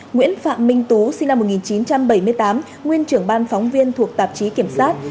nguyễn phạm minh tú sinh năm một nghìn chín trăm bảy mươi tám nguyên trưởng ban phóng viên thuộc tạp chí kiểm soát